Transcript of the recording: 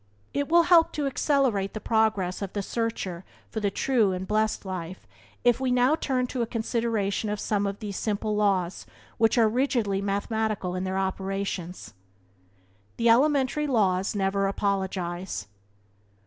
It will help to accelerate the progress of the searcher for the true and blessed life if we now turn to a consideration of some of these simple laws which are rigidly mathematical in their operations. "The elementary laws never apologize."